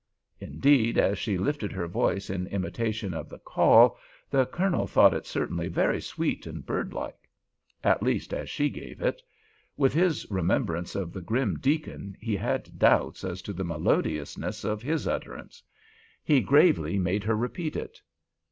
Indeed, as she lifted her voice in imitation of the call the Colonel thought it certainly very sweet and birdlike. At least as she gave it. With his remembrance of the grim deacon he had doubts as to the melodiousness of his utterance. He gravely made her repeat it.